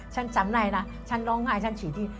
ฉันจำได้นะฉันร้องไห้ฉันฉีกทิ้ง